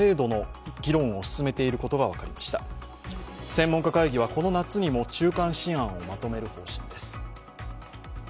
専門家会議はこの夏にも中間試案をまとめる方針です。